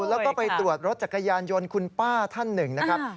แล้วก็ไปตรวจรถจักรยานยนต์คุณป้าท่านหนึ่งนะครับ